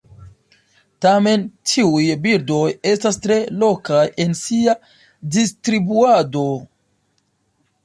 Tamen tiuj birdoj estas tre lokaj en sia distribuado.